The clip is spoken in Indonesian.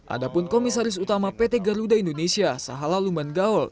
adapun komisaris utama pt garuda indonesia sahala lumban gaul